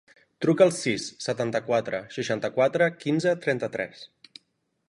Truca al sis, setanta-quatre, seixanta-quatre, quinze, trenta-tres.